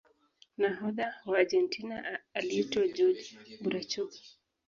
nahodha wa argentina aliitwa jorge burachuga